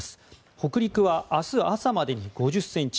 北陸は明日朝までに５０ｃｍ